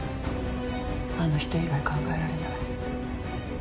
あの人以外考えられない。